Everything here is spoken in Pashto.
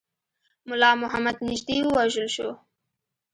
مُلا محمد نیژدې ووژل شو.